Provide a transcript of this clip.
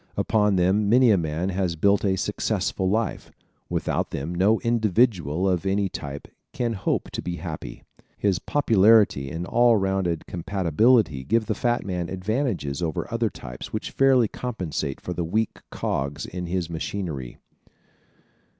Upon them many a man has built a successful life. Without them no individual of any type can hope to be happy. His popularity and all around compatibility give the fat man advantages over other types which fairly compensate for the weak cogs in his machinery.